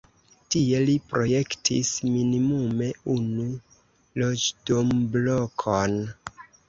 Tie li projektis minimume unu loĝdomblokon.